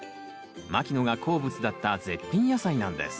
牧野が好物だった絶品野菜なんです。